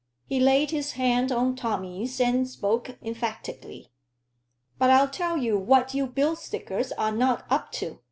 He laid his hand on Tommy's and spoke emphatically. "But I'll tell you what you bill stickers are not up to.